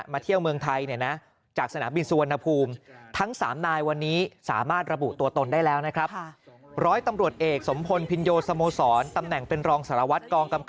มาเที่ยวเมืองไทยจากสถานบิลสุวรรณภูมิ